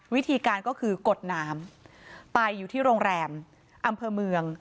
วิธีการก็คือกดน้ำไปอยู่ที่โรงแรมอำเภอเมือง